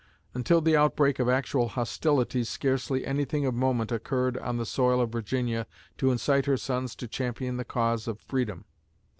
Until the outbreak of actual hostilities scarcely anything of moment occurred on the soil of Virginia to incite her sons to champion the cause of freedom.